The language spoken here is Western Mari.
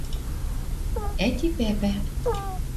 Ӓти пӓпӓ